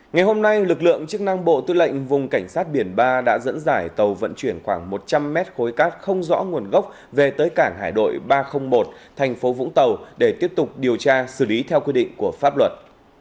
ngày hôm nay lực lượng chức năng bộ tư lệnh vùng cảnh sát biển ba đã dẫn dải tàu vận chuyển khoảng một trăm linh mét khối cát không rõ nguồn gốc về tới cảng hải đội ba trăm linh một thành phố vũng tàu để tiếp tục điều tra xử lý theo quy định của pháp luật